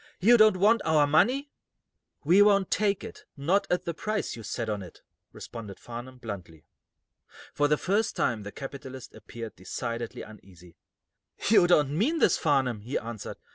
"You don't want our money?" "We won't take it not at the price you set on it," responded Farnum, bluntly. For the first time the capitalist appeared decidedly uneasy. "You don't mean this, Farnum," he answered.